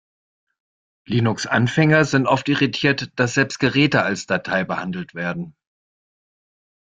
Linux-Anfänger sind oft irritiert, dass selbst Geräte als Datei behandelt werden.